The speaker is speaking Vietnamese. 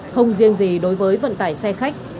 không riêng gì đối với vận tải xe khách